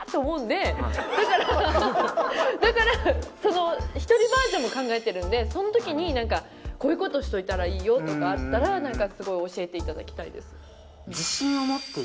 だから１人バージョンも考えてるのでその時に、こういうことをしておいたらいいよとかあったら教えていただきたいです。